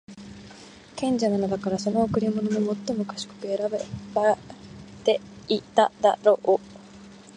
賢者なのだから、その贈り物も最も賢く選ばていただろう。